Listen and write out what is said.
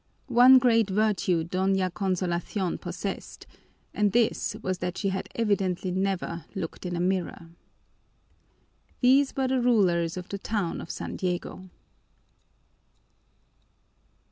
One great virtue Doña Consolation possessed, and this was that she had evidently never looked in a mirror. These were the rulers of the town of San Diego.